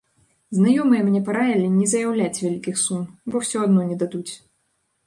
Знаёмыя мне параілі не заяўляць вялікіх сум, бо ўсё адно не дадуць.